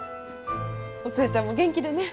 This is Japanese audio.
お寿恵ちゃんも元気でね。